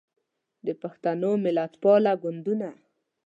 د پښتنو ملتپاله ګوندونه